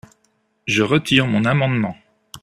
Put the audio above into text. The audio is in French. Je retire mon amendement.